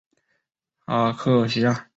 阿克西亚。